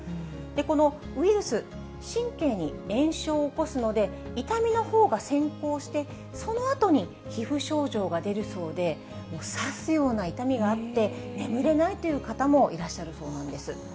このウイルス、神経に炎症を起こすので、痛みのほうが先行して、そのあとに皮膚症状が出るそうで、刺すような痛みがあって、眠れないという方もいらっしゃるそうなんです。